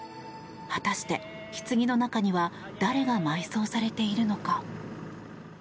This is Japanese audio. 果たして、ひつぎの中には誰が埋葬されているのか。